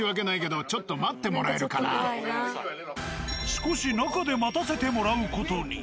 少し中で待たせてもらう事に。